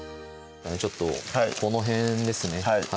ちょっとこの辺ですね